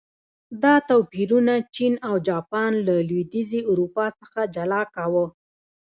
دا توپیرونه چین او جاپان له لوېدیځې اروپا څخه جلا کاوه.